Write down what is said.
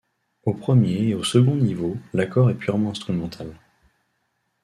Au premier et au second niveau, l’accord est purement instrumental.